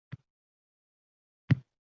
Ana shu momo hovli darvozasiga qarab talpindi.